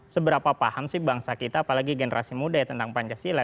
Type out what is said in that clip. seberapa paham sih bangsa kita apalagi generasi muda ya tentang pancasila